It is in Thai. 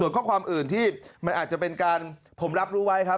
ส่วนข้อความอื่นที่มันอาจจะเป็นการผมรับรู้ไว้ครับ